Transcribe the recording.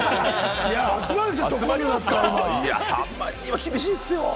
いや、３万人は厳しいですよ。